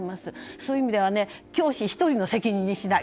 そういう意味では教師１人の責任にしない。